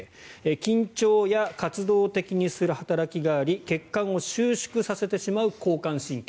緊張や活動的にする働きがあり血管を収縮させてしまう交感神経